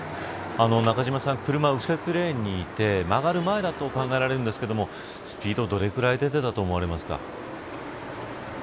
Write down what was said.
中島さん、車は右折レーンにいて曲がる前だと考えられるんですがスピードはどれぐらい出ていたと思われますか。